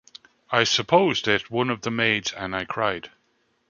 I supposed it one of the maids, and I cried.